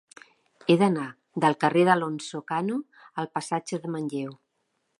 He d'anar del carrer d'Alonso Cano al passatge de Manlleu.